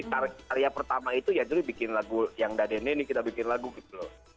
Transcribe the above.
karya pertama itu ya jadi bikin lagu yang daden ini kita bikin lagu gitu loh